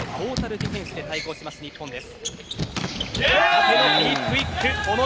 ディフェンスで対抗します、日本です。